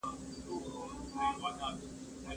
په یوه خطا